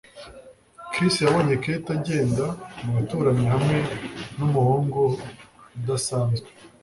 chris yabonye kate agenda mu baturanyi hamwe numuhungu udasanzwe